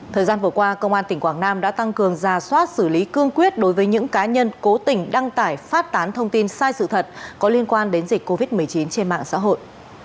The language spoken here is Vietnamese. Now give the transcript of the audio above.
thời gian vừa qua công an tỉnh quảng nam đã tăng cường ra soát xử lý cương quyết đối với những cá nhân cố tình đăng tải phát tán thông tin sai sự thật có liên quan đến dịch covid một mươi chín trên mạng xã hội